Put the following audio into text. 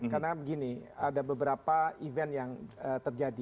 karena begini ada beberapa event yang terjadi